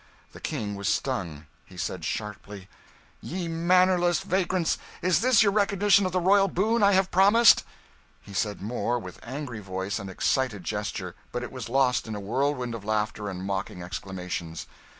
The King was stung. He said sharply "Ye mannerless vagrants, is this your recognition of the royal boon I have promised?" He said more, with angry voice and excited gesture, but it was lost in a whirlwind of laughter and mocking exclamations.